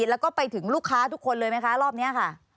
แล้วก็ไปถึงลูกค้าทุกคนเลยไหมคะรอบนี้ค่ะ